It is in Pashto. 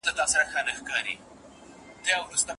پوهي د انسان د فکر بنسټ پياوړی کوي او هغه ته سمه لاره ښيي.